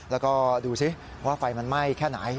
แล้วก็ดูสิว่าไฟมันไหม้แค่ไหน